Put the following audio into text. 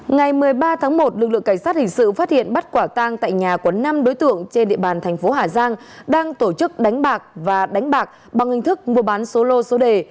ngày một mươi ba tháng một lực lượng cảnh sát hình sự phát hiện bắt quả tang tại nhà của năm đối tượng trên địa bàn thành phố hà giang đang tổ chức đánh bạc và đánh bạc bằng hình thức mua bán số lô số đề